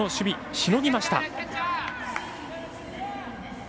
しのぎました。